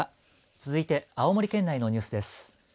続いて青森県内のニュースです。